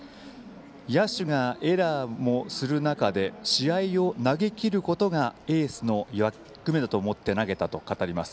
野手がエラーもする中で試合を投げきることがエースの役目だと思って投げたと語ります。